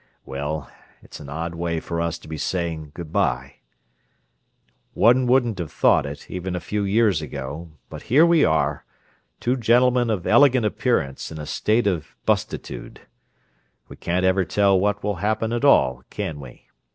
Well, it's an odd way for us to be saying good bye: one wouldn't have thought it, even a few years ago, but here we are, two gentlemen of elegant appearance in a state of bustitude. We can't ever tell what will happen at all, can we?